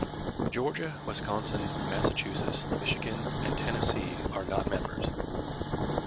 Georgia, Wisconsin, Massachusetts, Michigan, and Tennessee are not members.